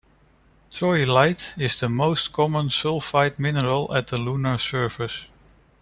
Troilite is the most common sulfide mineral at the lunar surface.